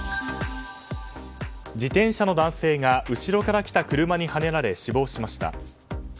自転車の男性が後ろから来た車にはねられ死亡しました。